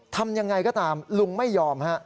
ทำยังไงก็ตามลุงไม่ยอมฮะ